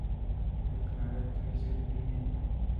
آیا د کاناډا د تیلو زیرمې لویې نه دي؟